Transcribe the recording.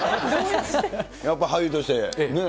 やっぱ俳優としてね。